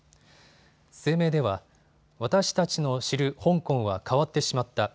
声明では、私たちの知る香港は変わってしまった。